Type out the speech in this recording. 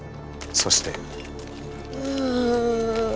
そして。